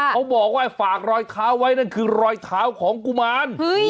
เขาบอกว่าฝากรอยเท้าไว้นั่นคือรอยเท้าของกุมาร